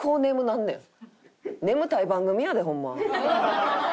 眠たい番組やでホンマ。